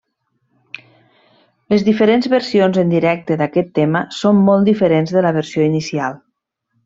Les diferents versions en directe d'aquest tema són molt diferents de la versió inicial.